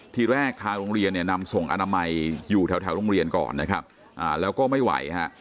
ทีแรกทางโรงเรียนเนี่ยนำส่งอนามัยอยู่แถวโรงเรียนก่อนนะครับแล้วก็ไม่ไหวฮะ